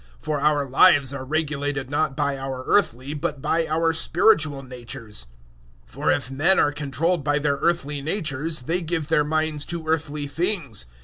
For our lives are regulated not by our earthly, but by our spiritual natures. 008:005 For if men are controlled by their earthly natures, they give their minds to earthly things.